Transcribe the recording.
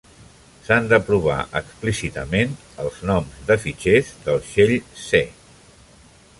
S'han de provar explícitament els noms de fitxers del shell C.